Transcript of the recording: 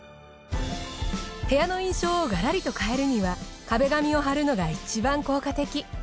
部屋の印象をガラリと変えるには壁紙を貼るのがいちばん効果的。